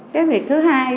cái việc thứ hai